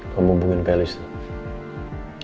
kamu hubungin felis tuh